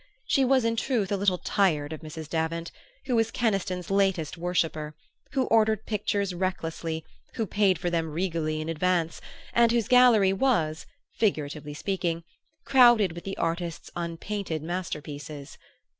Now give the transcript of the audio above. She was, in truth, a little tired of Mrs. Davant, who was Keniston's latest worshipper, who ordered pictures recklessly, who paid for them regally in advance, and whose gallery was, figuratively speaking, crowded with the artist's unpainted masterpieces.